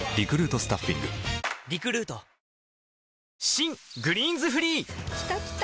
新「グリーンズフリー」きたきた！